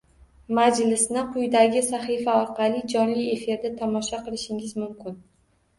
Majlisni quyidagi sahifa orqali jonli efirda tomosha qilishingiz mumkin.